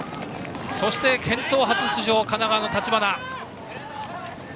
そして健闘、初出場の神奈川の橘。